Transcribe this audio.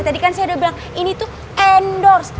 tadi kan saya udah bilang ini tuh endorse